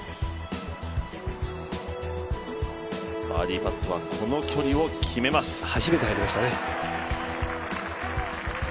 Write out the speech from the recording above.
バーディーパットは、この距離を決めます。